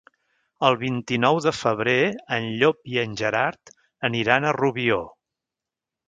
El vint-i-nou de febrer en Llop i en Gerard aniran a Rubió.